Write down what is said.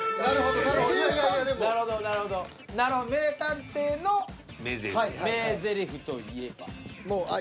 なるほど「名探偵の名台詞」といえば。